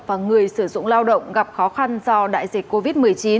và người sử dụng lao động gặp khó khăn do đại dịch covid một mươi chín